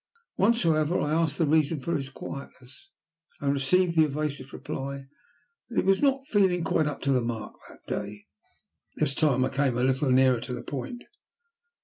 Once, however, I asked the reason for his quietness, and received the evasive reply "that he was not feeling quite up to the mark that day." This time I came a little nearer the point.